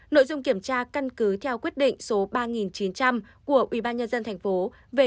nội dung kiểm tra căn cứ theo quyết định số ba chín trăm linh của ubnd tp hcm